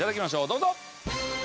どうぞ。